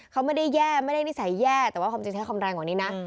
เขาไม่ได้แย่ไม่ได้นิสัยแย่แต่ว่าความจริงใช้คำแรงกว่านี้นะ